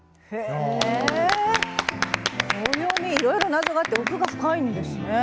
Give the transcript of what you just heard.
暦、いろいろ謎があって奥が深いんですね。